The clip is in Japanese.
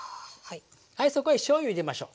はいそこへしょうゆ入れましょう。